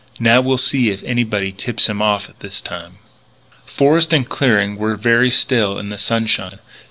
Now we'll see if anybody tips him off this time." Forest and clearing were very still in the sunshine.